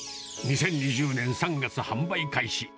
２０２０年３月、販売開始。